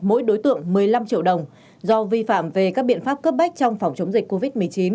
mỗi đối tượng một mươi năm triệu đồng do vi phạm về các biện pháp cấp bách trong phòng chống dịch covid một mươi chín